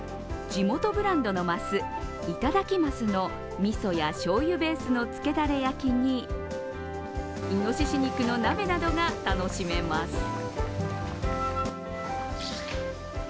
地元ブランドのます、頂鱒のみそやしょうゆベースのつけダレ焼きにいのしし肉の鍋などが楽しめます。